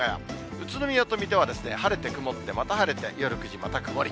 宇都宮と水戸はですね、晴れて曇ってまた晴れて、夜９時また曇り。